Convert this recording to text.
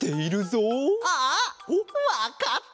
あわかった！